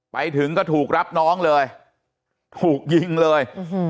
ไปถึงก็ถูกรับน้องเลยถูกยิงเลย